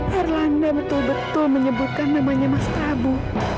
herlanda betul betul menyebutkan namanya mas prabu